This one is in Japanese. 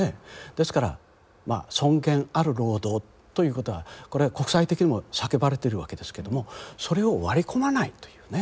ですから尊厳ある労働ということはこれ国際的にも叫ばれてるわけですけどもそれを割り込まないというね。